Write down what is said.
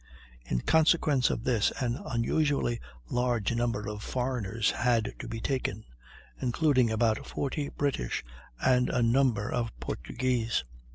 In consequence of this an unusually large number of foreigners had to be taken, including about forty British and a number of Portuguese.